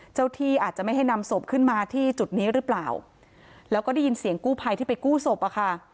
ที่อาจจะไม่ให้นำศพขึ้นมาที่จุดนี้หรือเปล่าแล้วก็ได้ยินเสียงกู้ภัยที่ไปกู้ศพอะค่ะ